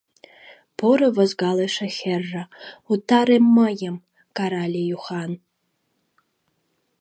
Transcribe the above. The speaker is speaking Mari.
— Поро возгалыше хӓрра, утаре мыйым! — карале Юхан.